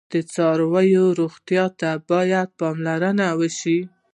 د څارویو روغتیا ته باید پاملرنه وشي.